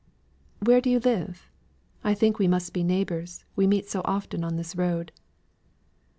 "Where do you live? I think we must be neighbours, we meet so often on this road."